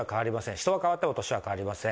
人が変わっても年は変わりません。